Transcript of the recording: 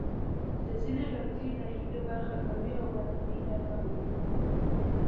د ځینو لرګیو داخلي برخه قوي او باندنۍ نرمه وي.